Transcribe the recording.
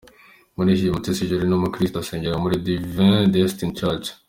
Kuri iki, Mutesi Jolly ni umukirisito asengera muri Divin Destin Church.